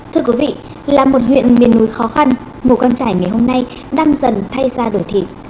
thưa quý vị là một huyện miền núi khó khăn mù căng trải ngày hôm nay đang dần thay ra đổi thị